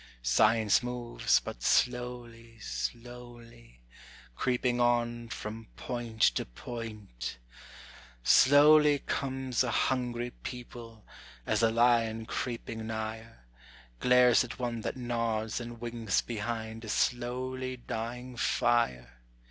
Science moves, but slowly, slowly, creeping on from point to point: Slowly comes a hungry people, as a lion, creeping nigher, Glares at one that nods and winks behind a slowly dying fire.